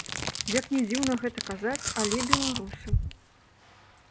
Як ні дзіўна гэта казаць, але беларусы.